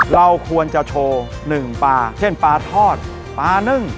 เราควรจะโชว์๑ปลาเช่นปลาทอดปลานึ่ง